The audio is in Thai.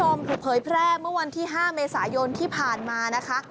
ถูกเผยแพร่เมื่อวันที่๕เมษายนที่ผ่านมานะคะ